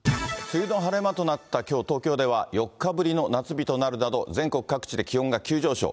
梅雨の晴れ間となったきょう、東京では４日ぶりの夏日となるなど、全国各地で気温が急上昇。